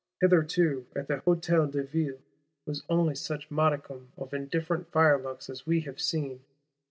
Hitherto at the Hôtel de Ville was only such modicum of indifferent firelocks as we have seen.